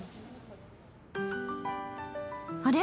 あれ？